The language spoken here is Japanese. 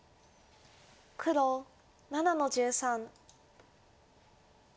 黒７の十三。